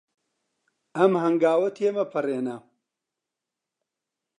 ئەم هەنگاوە تێمەپەڕێنە.